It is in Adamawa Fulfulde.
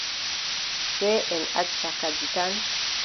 Sey en acca kadi tan.